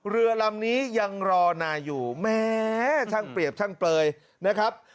เรือลำนี้ยังรอนายอยู่แม้ช่างเปรียบช่างเปลยนะครับ